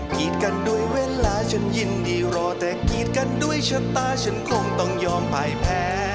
กีดกันด้วยเวลาฉันยินดีรอแต่กีดกันด้วยชะตาฉันคงต้องยอมปลายแพ้